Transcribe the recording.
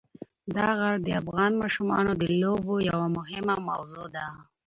دا غر د افغان ماشومانو د لوبو یوه مهمه موضوع ده.